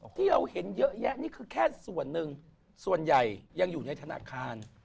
ที่เราเห็นเยอะแยะนี่คือแค่ส่วนหนึ่งส่วนใหญ่ยังอยู่ในธนาคาร